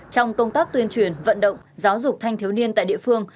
trong công tác tuyên truyền vận động giáo dục thanh thiếu niên tại địa phương